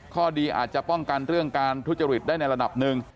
ข้อดีอาจจะป้องกันเรื่องการทุจริตได้ในระดับหนึ่ง